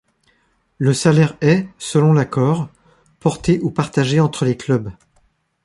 Le salaire est, selon l'accord, porté ou partagé entre les clubs.